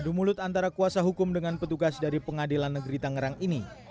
adu mulut antara kuasa hukum dengan petugas dari pengadilan negeri tangerang ini